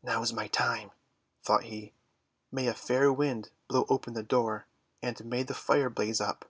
"Now's my time," thought he. :tMay a fair Wind blow open the door, and may the Fire blaze up!'